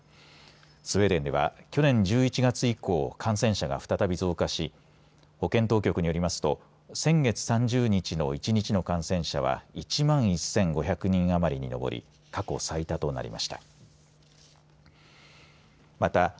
スウェーデンでは去年１１月以降、感染者が再び増加し保健当局によりますと先月３０日の一日の感染者は１万１５００人余りに上り過去最多となりました。